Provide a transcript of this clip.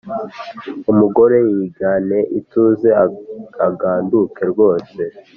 Umugore yigane ituza aganduke rwose,